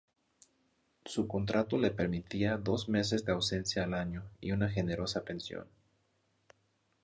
Su contrato le permitía dos meses de ausencia al año y una generosa pensión.